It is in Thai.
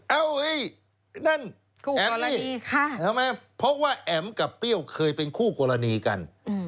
เอ้าไอ้นั่นแอมนี่เพราะว่าแอ๋มกับเปรี้ยวเคยเป็นคู่กรณีกัน